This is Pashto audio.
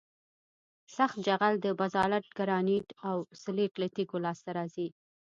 سخت جغل د بزالت ګرانیت او سلیت له تیږو لاسته راځي